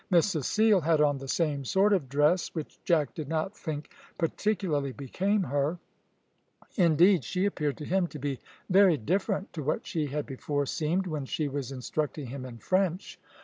Miss Cecile had on the same sort of dress, which Jack did not think particularly became her; indeed, she appeared to him to be very different to what she had before seemed when she was instructing him in French.